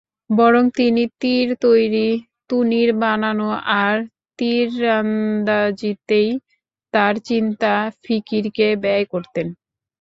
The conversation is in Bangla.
বরং তিনি তীর তৈরী, তুনীর বানানো আর তীরন্দাজিতেই তাঁর চিন্তা ফিকিরকে ব্যয় করতেন।